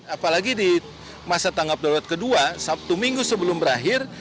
apalagi di masa tanggap darurat kedua sabtu minggu sebelum berakhir